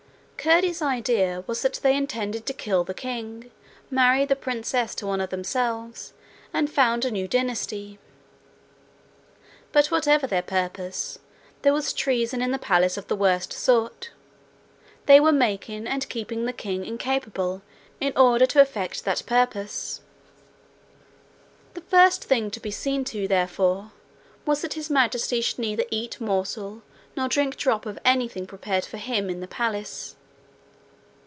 Curdie's idea was that they intended to kill the king, marry the princess to one of themselves, and found a new dynasty; but whatever their purpose, there was treason in the palace of the worst sort: they were making and keeping the king incapable, in order to effect that purpose. The first thing to be seen to, therefore, was that His Majesty should neither eat morsel nor drink drop of anything prepared for him in the palace.